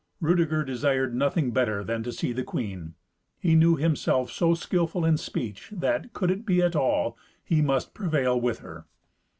Rudeger desired nothing better than to see the queen. He knew himself so skilful in speech that, could it be at all, he must prevail with her.